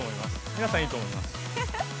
皆さんいいと思います。